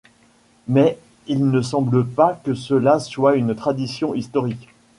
Mais il ne semble pas que cela soit une tradition historique.